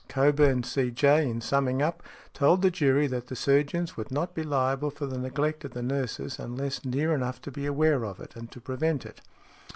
Cockburn, C.J., in summing up, told the jury that the surgeons would not be liable for the neglect of the nurses unless near enough to be aware of it and to prevent it .